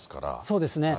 そうですね。